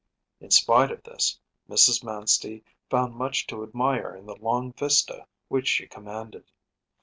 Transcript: In spite of this Mrs. Manstey found much to admire in the long vista which she commanded.